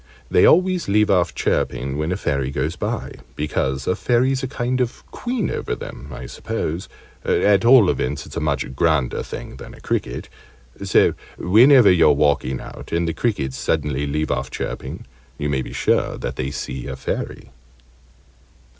They always leave off chirping when a Fairy goes by because a Fairy's a kind of queen over them, I suppose at all events it's a much grander thing than a cricket so whenever you're walking out, and the crickets suddenly leave off chirping, you may be sure that they see a Fairy.